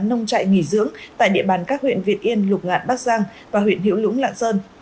nông trại nghỉ dưỡng tại địa bàn các huyện việt yên lục ngạn bắc giang và huyện hiểu lũng lạng sơn